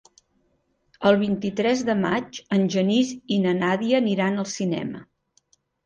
El vint-i-tres de maig en Genís i na Nàdia aniran al cinema.